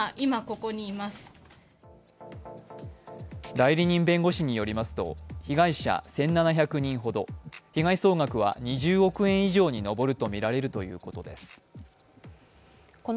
代理人弁護士によりますと被害者１７００人ほど、被害総額は２０億円以上に上るとみられるということです。